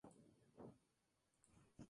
Los que se ofrecen son subidos a hombros.